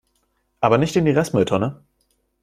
Aber nicht in die Restmülltonne!